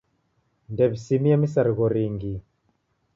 Ndew'isimie misarigho ringi.